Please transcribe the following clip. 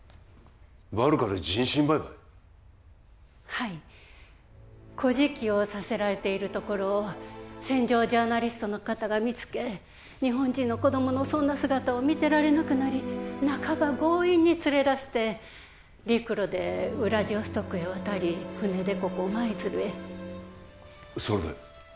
バルカで人身売買！？はいこじきをさせられているところを戦場ジャーナリストの方が見つけ日本人の子どものそんな姿を見てられなくなり半ば強引に連れ出して陸路でウラジオストクへ渡り船でここ舞鶴へそれで？